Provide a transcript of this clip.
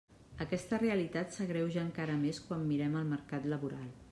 Aquesta realitat s'agreuja encara més quan mirem el mercat laboral.